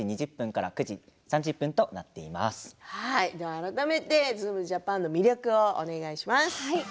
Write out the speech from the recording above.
改めて「ズームジャパン」の魅力をお願いします。